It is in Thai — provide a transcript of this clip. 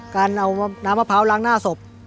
การเอาน้ำมะพร้าวล้างหน้าศพ